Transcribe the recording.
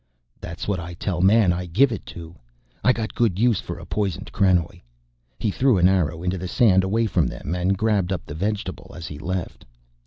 "That's what I tell man I give it to. I got good use for a poisoned krenoj." He threw an arrow into the sand away from them and grabbed up the vegetable as he left.